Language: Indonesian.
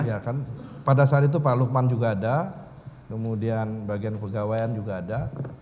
ya kan pada saat itu pak lukman juga ada kemudian bagian kegawaian juga ada